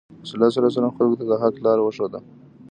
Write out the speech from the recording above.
رسول الله خلکو ته د حق لار وښوده.